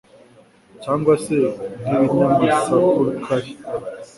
cyangwa se nk' ibinyamasukari.